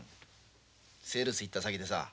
セールス行った先でさ